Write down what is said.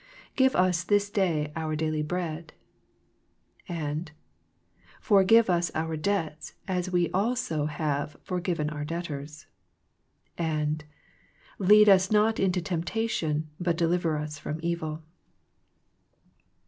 Give us this day our daily bread. And Forgive us our debts as we also have forgiven our debtors. And Lead us not into temptation, but deliver us from evil.